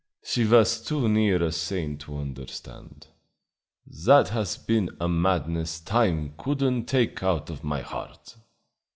"She was too near a saint to understand. That has been a madness time could n't take out of my heart!